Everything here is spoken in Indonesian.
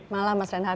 malam mas renhati